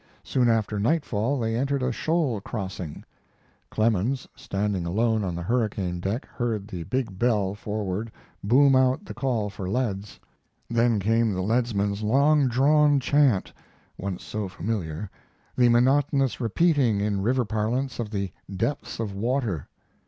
Soon after nightfall they entered a shoal crossing. Clemens, standing alone on the hurricane deck, heard the big bell forward boom out the call for leads. Then came the leadsman's long drawn chant, once so familiar, the monotonous repeating in river parlance of the depths of water.